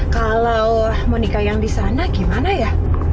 kalau mau menikah yang di sana bagaimana ya